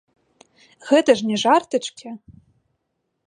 Гэта ж не жартачкі!